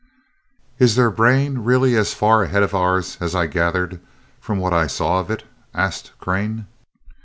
"Is their brain really as far ahead of ours as I gathered from what I saw of it?" asked Crane.